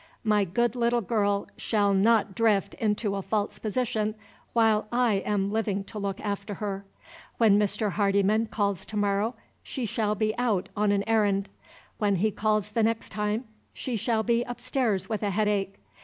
My good little girl shall not drift into a false position while I am living to look after her. When Mr. Hardyman calls to morrow she shall be out on an errand. When he calls the next time she shall be upstairs with a headache.